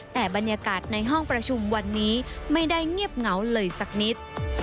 แต่บรรยากาศในห้องประชุมวันนี้ไม่ได้เงียบเหงาเลยสักนิด